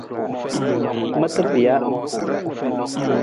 Mata pija.